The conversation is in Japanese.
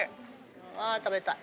あ食べたい。